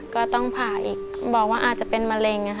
ก็ต้องผ่าอีกบอกว่าอาจจะเป็นมะเร็ง